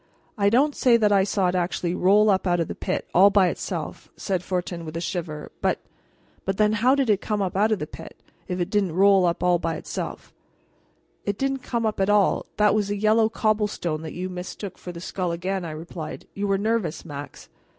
"I don't say that I saw it actually roll up out of the pit, all by itself," said Fortin with a shiver, "but but then, how did it come up out of the pit, if it didn't roll up all by itself?" "It didn't come up at all; that was a yellow cobblestone that you mistook for the skull again," I replied. "You were nervous, Max."